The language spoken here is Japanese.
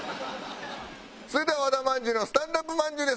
それでは和田まんじゅうのスタンダップまんじゅうです。